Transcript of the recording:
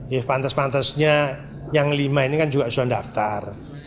ya pantas pantasnya yang lima ini kan juga sudah daftar